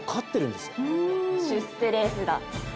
出世レースだ。